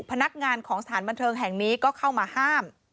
พนักงานของสถานบันเทิงแห่งนี้ก็เข้ามาห้าม